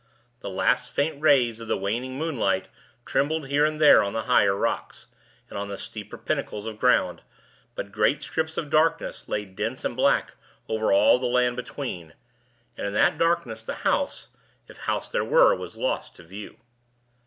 The last faint rays of the waning moonlight trembled here and there on the higher rocks, and on the steeper pinnacles of ground, but great strips of darkness lay dense and black over all the land between; and in that darkness the house, if house there were, was lost to view.